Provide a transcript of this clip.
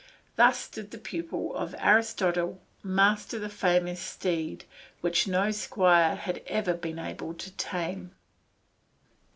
Thus did the pupil of Aristotle master the famous steed which no squire had ever been able to tame.